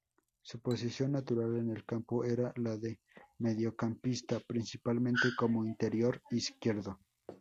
Su posición natural en el campo era la de mediocampista, principalmente como interior izquierdo.